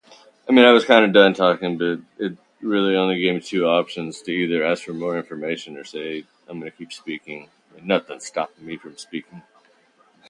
Archer married Hon.